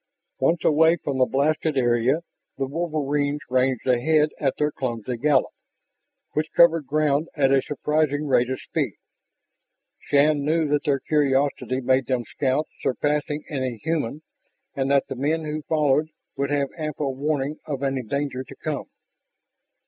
Once away from the blasted area, the wolverines ranged ahead at their clumsy gallop, which covered ground at a surprising rate of speed. Shann knew that their curiosity made them scouts surpassing any human and that the men who followed would have ample warning of any danger to come.